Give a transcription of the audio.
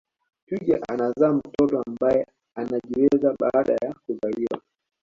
Twiga anazaa mtoto ambaye anajiweza baada ya kuzaliwa